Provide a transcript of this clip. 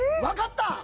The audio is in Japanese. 分かった！